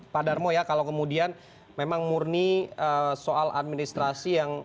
pak darmo ya kalau kemudian memang murni soal administrasi yang